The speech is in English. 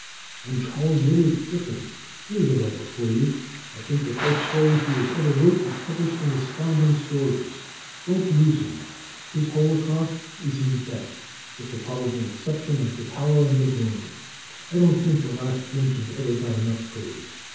And Charles Willard Diffin! Here's a writer for you. I think the first story he ever wrote was published in Astounding Stories. Don't lose him. His "Holocaust" is his best, with the probable exception of "The Power and the Glory." I don't think the last mentioned ever got enough praise.